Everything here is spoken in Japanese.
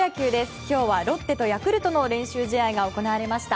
今日はロッテとヤクルトの練習試合が行われました。